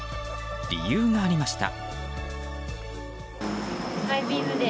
理由がありました。